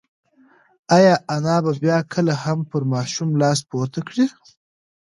ایا انا به بیا کله هم پر ماشوم لاس پورته کړي؟